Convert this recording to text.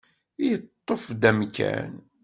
Yeṭṭef-d amkan.